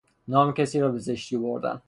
نام کسی را به زشتی بردن